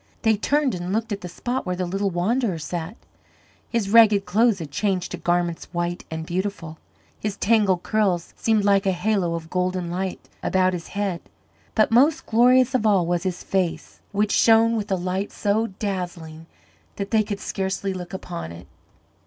They turned and looked at the spot where the little wanderer sat. His ragged clothes had changed to garments white and beautiful; his tangled curls seemed like a halo of golden light about his head; but most glorious of all was his face, which shone with a light so dazzling that they could scarcely look upon it.